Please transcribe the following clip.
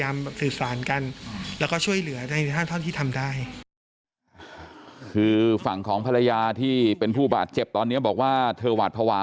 ไม่ที่ทำได้